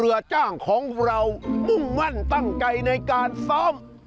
เรือจ้างของเรามุ่งวั่นตั้งใกล้ในการซ้อม